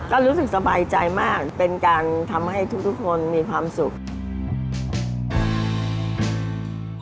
ก็รู้สึกสบายใจมากเป็นการทำให้ทุกคนมีความสุข